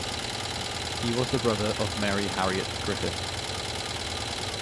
He was the brother of Mary Harriett Griffith.